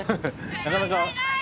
なかなか。